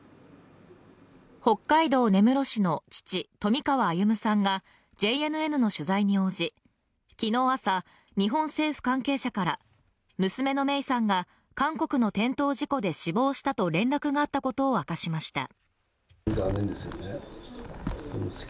北海道根室市の父・冨川歩さんがＪＮＮの取材に応じ、昨日朝、日本政府関係者から娘の芽生さんが、韓国の転倒事故で死亡したと連絡があったことを明かしました。